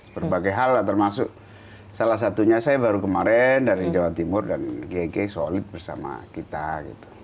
berbagai hal lah termasuk salah satunya saya baru kemarin dari jawa timur dan gege solid bersama kita gitu